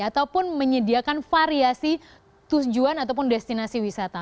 ataupun menyediakan variasi tujuan ataupun destinasi wisata